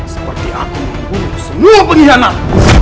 seperti aku untuk semua pengkhianat